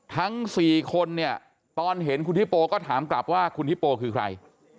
ทั้ง๔คนเนี่ยตอนเห็นคุณฮิโปก็ถามกลับว่าคุณฮิปโปคือใคร